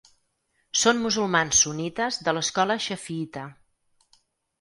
Són musulmans sunnites de l'escola xafiïta.